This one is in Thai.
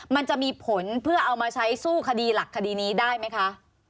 มันจะมีผลเพื่อเอามาใช้สู้คดีหลักคดีนี้ได้ไหมคะ